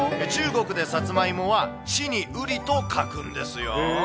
中国でサツマイモは地に瓜と書くんですよ。